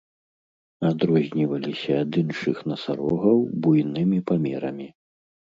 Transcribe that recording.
Адрозніваліся ад іншых насарогаў буйнымі памерамі.